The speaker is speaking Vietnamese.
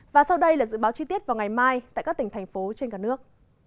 và sau đây là dự báo chi tiết vào ngày mai tại các tỉnh thành phố trên cả nước